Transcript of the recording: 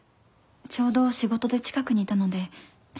ちょうど仕事で近くにいたので心配で。